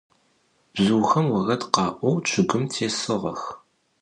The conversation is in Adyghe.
Bzıuxem vored kha'ou ççıgım têsığex.